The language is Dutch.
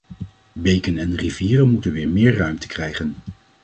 Beken en rivieren moeten weer meer ruimte krijgen.